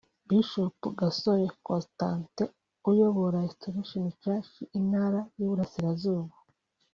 Bishop Gasore Costante uyobora Restoration church Intara y'Iburasirazuba